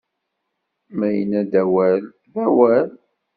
Ma yenna-d awal, d awal!